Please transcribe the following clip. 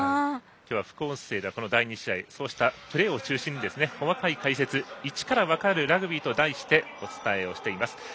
副音声では、第２試合そうしたプレーを中心に細かい解説「イチからわかるラグビー」と題してお伝えしています。